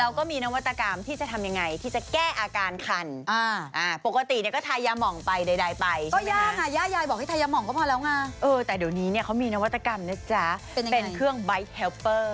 อันนี้คือของเมืองนอกใช่มั้ย